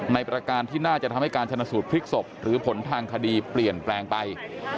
ประการที่น่าจะทำให้การชนสูตรพลิกศพหรือผลทางคดีเปลี่ยนแปลงไป